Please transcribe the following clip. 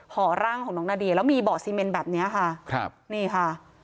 ห่อร่างของน้องนาเดียแล้วมีบ่อซีเมนแบบนี้ค่ะครับนี่ค่ะ